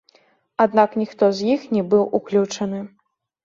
Аднак ніхто з іх не быў уключаны.